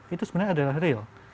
itu sebenarnya adalah real